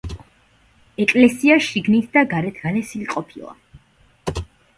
ეკლესია შიგნით და გარეთ გალესილი ყოფილა.